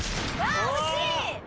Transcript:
惜しい！